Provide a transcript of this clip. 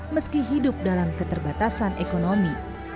meski hidup dalam keterbatasan ekonomi